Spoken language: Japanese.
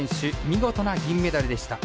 見事な銀メダルでした。